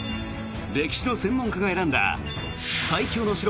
歴史の専門家が選んだ最強の城